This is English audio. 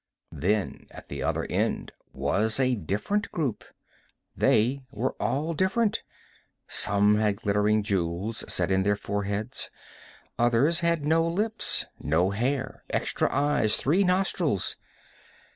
Then at the other end was a different group. They were all different. Some had glittering jewels set in their foreheads, others had no lips, no hair, extra eyes, three nostrils.